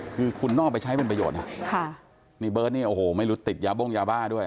คือคุณนอกไปใช้เป็นประโยชน์นะค่ะนี่เบิร์ตเนี่ยโอ้โหไม่รู้ติดยาบ้งยาบ้าด้วย